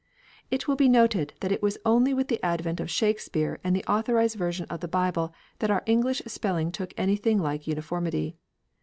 It will be noted that it was only with the advent of Shakespeare and the Authorised Version of the Bible that our English spelling took anything like uniformity.